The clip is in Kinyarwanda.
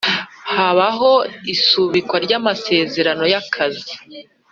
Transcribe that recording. Habaho isubikwa ry amasezerano y akazi